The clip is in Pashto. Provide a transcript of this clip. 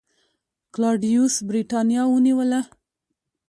کلاډیوس برېټانیا ونیوله